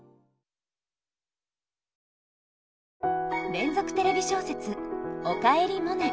連続テレビ小説「おかえりモネ」。